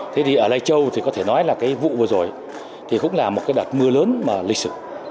thế thì ở lây châu thì có thể nói là cái vụ vừa rồi thì cũng là một cái đợt mưa lớn mà lịch sử